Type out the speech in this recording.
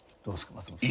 松本さん。